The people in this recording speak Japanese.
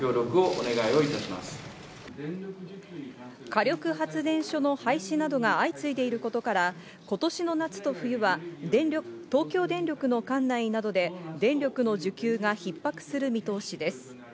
火力発電所の廃止などが相次いでいることから、今年の夏と冬は東京電力の管内などで電力の需給が逼迫する見通しです。